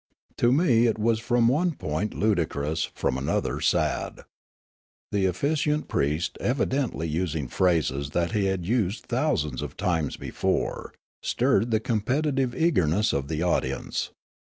To me it was from one point ludicrous, from another sad. The officiant priest, evidently using phrases that he had used thousands of times before, stirred the competitive eagerness of the audience.